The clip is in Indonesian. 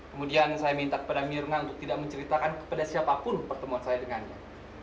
kemudian saya minta kepada mirna untuk tidak menceritakan kepada siapapun pertemuan saya dengannya